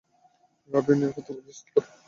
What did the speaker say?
রাভির নিরাপত্তা নিশ্চিত কর।